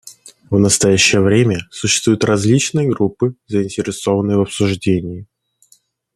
В настоящее время существуют различные группы, заинтересованные в обсуждении.